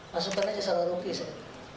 masuk karena saya salah ruki saya